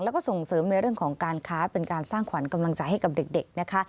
แล้วก็ส่งเสริมในเรื่องของการค้าเป็นการสร้างขวัญกำลังใจให้กับเด็กนะคะ